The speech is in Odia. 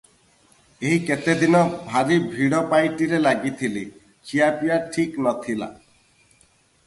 ଏହି କେତେ ଦିନ ଭାରି ଭିଡ଼ ପାଇଟିରେ ଲାଗିଥିଲି, ଖିଆପିଆ ଠିକ୍ ନ ଥିଲା ।